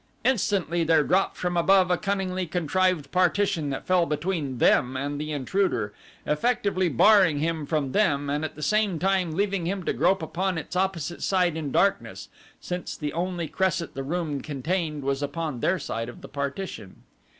Instantly there dropped from above a cunningly contrived partition that fell between them and the intruder, effectively barring him from them and at the same time leaving him to grope upon its opposite side in darkness, since the only cresset the room contained was upon their side of the partition.